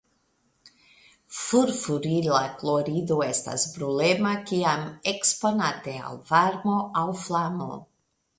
Furfurila klorido estas brulema kiam eksponate al varmo aŭ flamo.